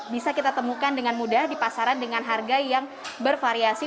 bisa kita temukan dengan mudah di pasaran dengan harga yang bervariasi